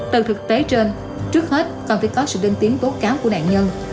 từ thực tế trên trước hết còn phải có sự đơn tiếng cố cáo của nạn nhân